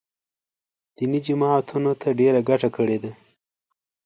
دیني جماعتونو ته ډېره ګټه کړې ده